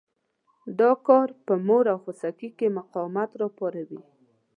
دا کار په مور او خوسکي کې مقاومت را پاروي.